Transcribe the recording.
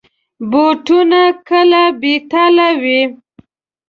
بوټونه کله بې تله وي.